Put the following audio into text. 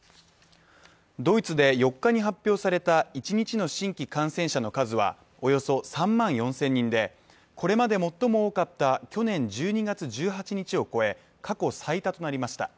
ドイツで４日に発表された１日の新規感染者の数は、およそ３万４０００人で、これまで最も多かった去年１２月１８日を超え過去最多となりました。